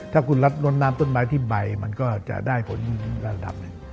ถ้าคุณรับล้นน้ำต้นไม้ที่ใบมันก็จะได้ผลระดับหนึ่ง